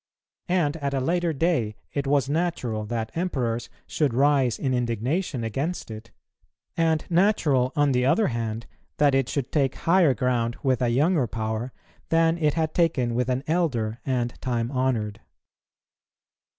And at a later day it was natural that Emperors should rise in indignation against it; and natural, on the other hand, that it should take higher ground with a younger power than it had taken with an elder and time honoured.